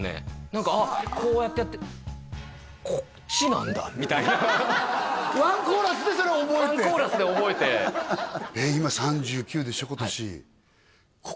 何かこうやってやってこっちなんだみたいなワンコーラスでそれを覚えてワンコーラスで覚えて今３９でしょ？